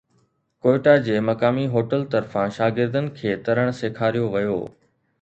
ڪوئيٽا جي مقامي هوٽل طرفان شاگردن کي ترڻ سيکاريو ويو